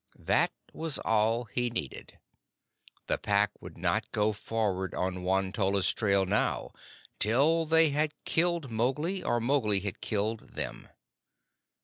That was all he needed. The Pack would not go forward on Won tolla's trail now till they had killed Mowgli or Mowgli had killed them.